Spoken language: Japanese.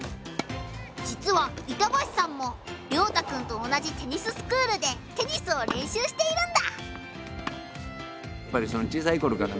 実は板橋さんも凌大くんと同じテニススクールでテニスを練習しているんだ。